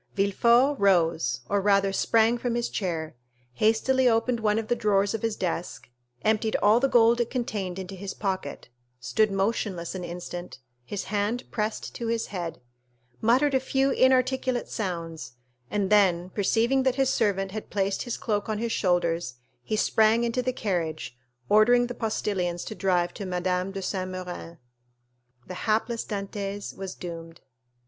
Villefort rose, or rather sprang, from his chair, hastily opened one of the drawers of his desk, emptied all the gold it contained into his pocket, stood motionless an instant, his hand pressed to his head, muttered a few inarticulate sounds, and then, perceiving that his servant had placed his cloak on his shoulders, he sprang into the carriage, ordering the postilions to drive to M. de Saint Méran's. The hapless Dantès was doomed.